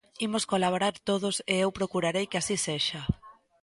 Imos colaborar todos e eu procurarei que así sexa.